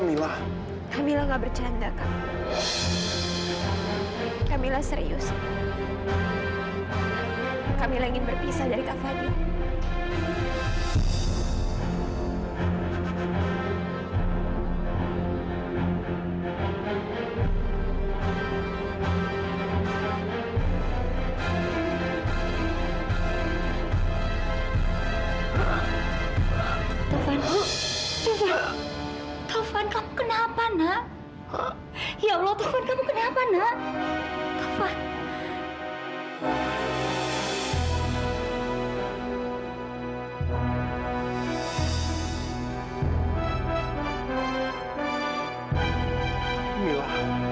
mila kenapa kamu ucapkan kata berpisah mila